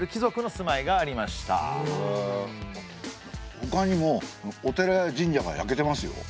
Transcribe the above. ほかにもお寺や神社が焼けてますよ。